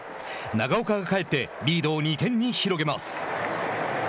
長岡が帰ってリードを２点に広げます。